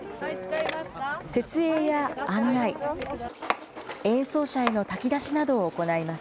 設営や案内、演奏者への炊き出しなどを行います。